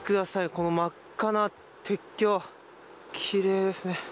この真っ赤な鉄橋奇麗ですね。